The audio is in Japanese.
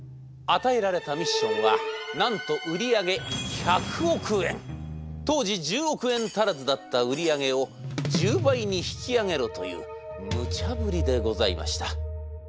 与えられたミッションはなんと売り上げ当時１０億円足らずだった売り上げを１０倍に引き上げろというむちゃぶりでございました。